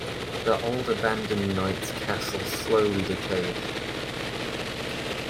The old abandoned knights' castle slowly decayed.